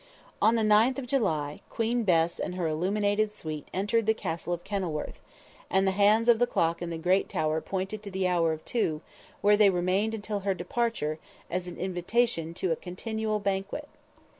On the 9th of July Queen "Bess" and her illuminated suite entered the Castle of Kenilworth, and the hands of the clock in the great tower pointed to the hour of two, where they remained until her departure, as invitation to a continual banquet.